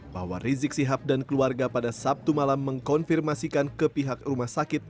bahwa rizik sihab dan keluarga pada sabtu malam mengkonfirmasikan ke pihak rumah sakit